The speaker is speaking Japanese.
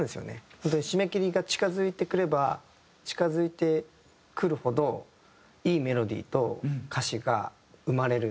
本当に締め切りが近付いてくれば近付いてくるほどいいメロディーと歌詞が生まれるっていう。